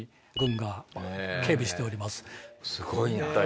すごいな。